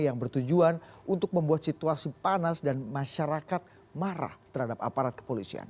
yang bertujuan untuk membuat situasi panas dan masyarakat marah terhadap aparat kepolisian